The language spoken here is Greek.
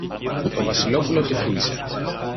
Το Βασιλόπουλο τη φίλησε.